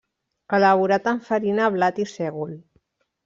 Elaborat amb farina blat i sègol.